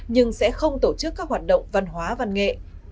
nhưng sẽ không tổ chức các hoạt động văn hóa văn nghệ